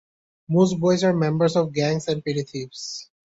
Most boys were members of gangs and petty thieves.